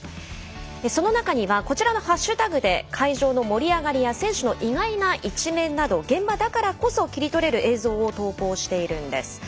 その中にはこちらのハッシュタグで会場の盛り上がりや選手の意外な一面など現場だからこそ切り取れる映像を投稿しているんです。